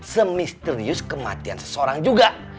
semisterius kematian seseorang juga